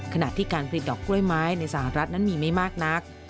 ขณะที่การผลิตดอกกล้วยไม้ในสหรัฐนั้นมีไม่มากนัก